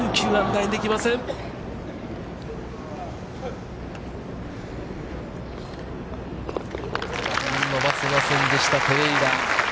伸ばせませんでした、ペレイラ。